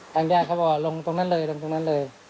ทางด้านเขาบอกลงตรงนั้นเลยลงตรงนั้นเลย